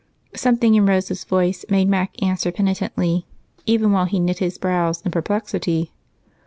Something in Rose's voice made Mac answer penitently, even while he knit his brows in perplexity.